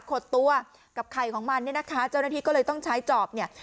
ขดตัวกับไข่ของมันเนี่ยนะคะเจ้าหน้าที่ก็เลยต้องใช้จอบเนี่ย